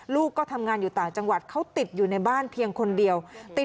ลูกก็ทำงานอยู่ต่างจังหวัดเขาติดอยู่ในบ้านเพียงคนเดียวติด